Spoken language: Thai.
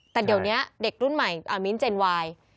แต่เดี๋ยวนี้เด็กรุ่นใหม่มิ้นทเจนวาย